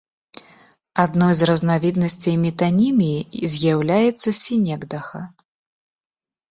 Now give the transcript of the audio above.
Адной з разнавіднасцей метаніміі з'яўляецца сінекдаха.